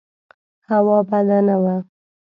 هوا بده نه وه.